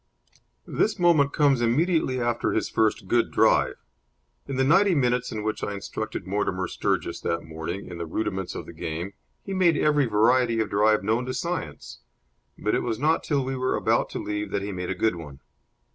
This moment comes immediately after his first good drive. In the ninety minutes in which I instructed Mortimer Sturgis that morning in the rudiments of the game, he made every variety of drive known to science; but it was not till we were about to leave that he made a good one.